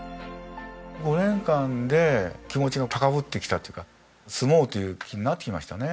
５年間で気持ちが高ぶってきたっていうか住もうという気になってきましたね。